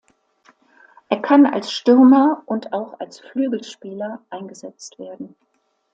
Er kann als Stürmer und auch als Flügelspieler eingesetzt werden.